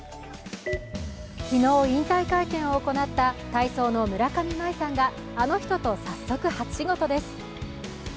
昨日、引退会見を行った体操の村上茉愛さんがあの人と早速、初仕事です。